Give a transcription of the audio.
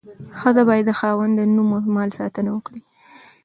ښځه باید د خاوند د نوم او مال ساتنه وکړي.